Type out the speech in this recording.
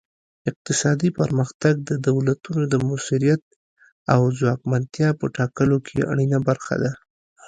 اقتصادي پرمختګ د دولتونو د موثریت او ځواکمنتیا په ټاکلو کې اړینه برخه ده